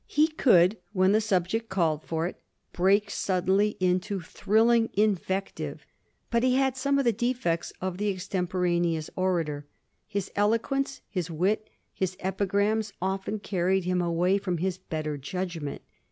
He could, when the subject called for it, break suddenly into thrilling invective. But he had some of the defects of the extemporaneous orator. His eloquence, his wit, his epigrams often carried him away from his better judgment.